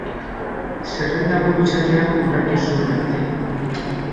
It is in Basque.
Zerrendaburu izatea onartu zuen arte.